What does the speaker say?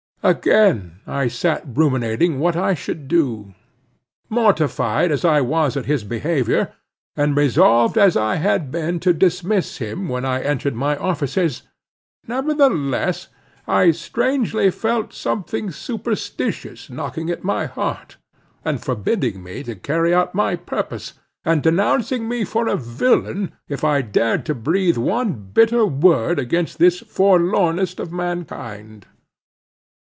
Again I sat ruminating what I should do. Mortified as I was at his behavior, and resolved as I had been to dismiss him when I entered my offices, nevertheless I strangely felt something superstitious knocking at my heart, and forbidding me to carry out my purpose, and denouncing me for a villain if I dared to breathe one bitter word against this forlornest of mankind.